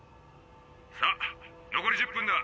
さあ残り１０分だ。